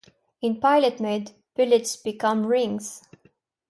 In pilot mode, bullets become rings.